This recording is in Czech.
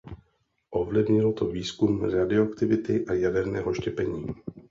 Ovlivnilo to výzkum radioaktivity a jaderného štěpení.